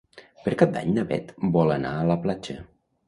Per Cap d'Any na Bet vol anar a la platja.